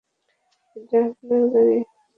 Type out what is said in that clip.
এটা আপনার বাড়ি?